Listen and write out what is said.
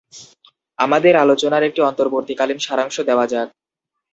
আমাদের আলোচনার একটি অন্তর্বর্তীকালীন সারাংশ দেওয়া যাক।